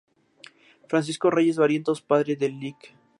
Francisco Reyes Barrientos padre del Lic.